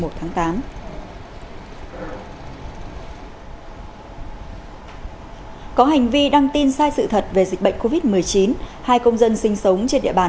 có hành vi đăng tin sai sự thật về dịch bệnh covid một mươi chín hai công dân sinh sống trên địa bàn tp bạc liêu tỉnh bạc liêu đã bị công an tp bạc liêu mời đến trụ sở làm việc để nhắc nhở tuyên truyền